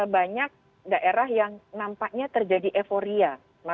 banyak daerah yang nampaknya terjadi euforia